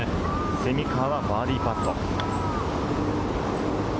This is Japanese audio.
蝉川はバーディーパット。